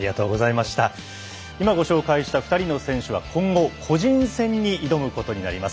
今ご紹介した２人の選手は今後、個人戦に挑むことになります。